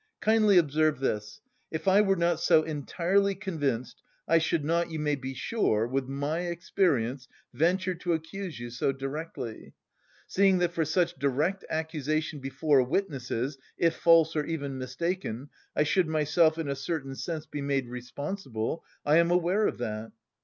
Kindly observe this: if I were not so entirely convinced I should not, you may be sure, with my experience venture to accuse you so directly. Seeing that for such direct accusation before witnesses, if false or even mistaken, I should myself in a certain sense be made responsible, I am aware of that.